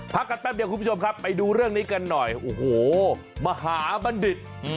พักกันแป๊บเดียวคุณผู้ชมครับไปดูเรื่องนี้กันหน่อยโอ้โหมหาบัณฑิต